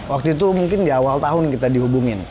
waktu itu mungkin di awal tahun kita dihubungin